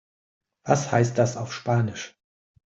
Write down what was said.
Was heißt das auf Spanisch?